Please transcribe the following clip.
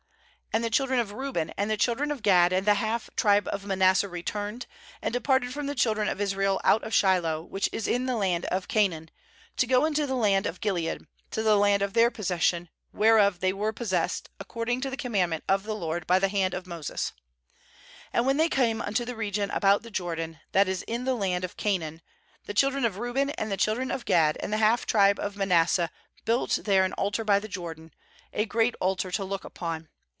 9 And the children of Reuben and the children of Gad and the half tribe of Manasseh returned, and de parted from the children of Israel out of Shiloh, which is in the land of Canaan, to go unto the land of Gilead, to the land of their possession, where of they were possessed, according to the commandment of the LORD by the hand of Moses* 10And when they came unto the region about the Jor dan, that is in the land of Canaan, the children of Reuben and the children of Gad and the half tribe of Manas seh built there an altar by the Jordan, a great altar to look upon.